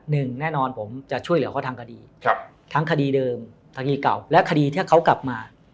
หนึ่งแน่นอนผมจะช่วยเหลือเขาทางคดีครับทั้งคดีเดิมคดีเก่าและคดีที่เขากลับมา